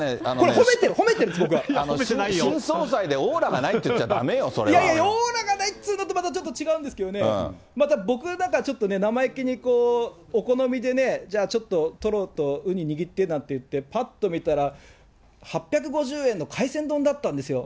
これ、あなたね、新総裁でオーラがないって言っちゃだめよ、いやいや、オーラがないというのと、またちょっと違うんですけどね、僕なんかちょっと生意気にこう、お好みで、じゃあ、ちょっとトロとウニ握ってって言って、ぱっと見たら、８５０円の海鮮丼だったんですよ。